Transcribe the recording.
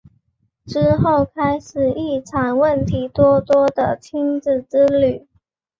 之后开始一场问题多多的亲子之旅。